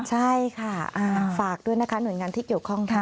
ใช่ค่ะฝากด้วยนะคะหน่วยงานที่เกี่ยวข้องค่ะ